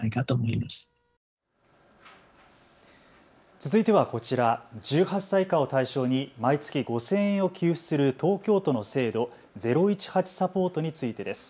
続いてはこちら、１８歳以下を対象に毎月５０００円を給付する東京都の制度、０１８サポートについてです。